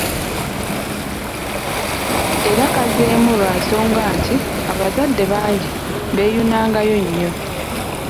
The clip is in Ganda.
Era kazzeemu lwa nsonga nti abazadde bangi beeyunangayo nnyo.